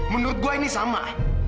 menurut gue ini sama